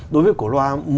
đối với cổ loại